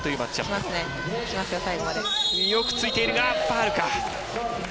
よくついていたが、ファウルか。